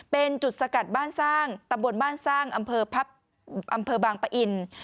เป็นจุดสกัดบ้านสร้างตำบลบ้านสร้างอำเภอบางปะอิน